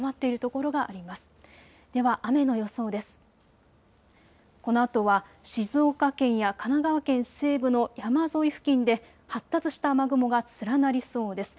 このあとは静岡県や神奈川県西部の山沿い付近で発達した雨雲が連なりそうです。